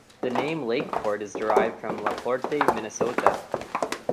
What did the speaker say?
The name Lakeport is derived from Laporte, Minnesota.